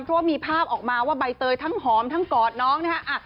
เพราะว่ามีภาพออกมาว่าใบเตยทั้งหอมทั้งกอดน้องนะฮะ